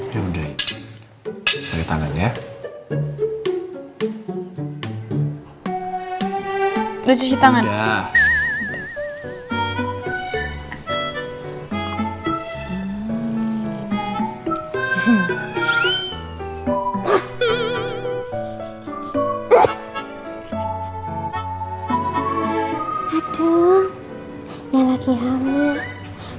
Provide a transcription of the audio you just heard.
ya udah kalau nggak mau nggak usah makan